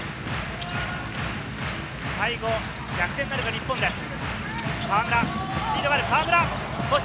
最後、逆転なるか日本です。